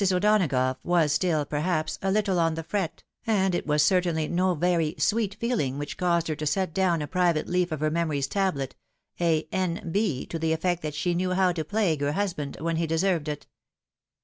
O'Donagough was still, perhaps, a Uttle on ilie fret, and it was certainly no very sweet feeling which caused her to set down on a private leaf of her memory's tablet a N.B., to the effect that she knew how to plague her husband when he deserved it.